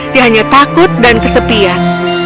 dia hanya takut dan kesepian